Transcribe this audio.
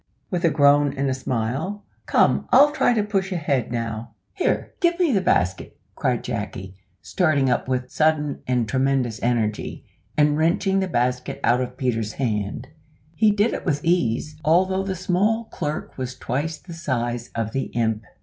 (with a groan and a smile;) "come, I'll try to push ahead now." "Here, give me the basket," cried Jacky, starting up with sudden and tremendous energy, and wrenching the basket out of Peter's hand. He did it with ease, although the small clerk was twice the size of the imp.